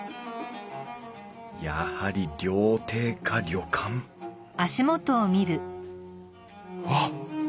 やはり料亭か旅館わっ！